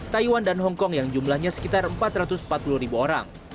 taiwan dan hongkong yang jumlahnya sekitar empat ratus empat puluh ribu orang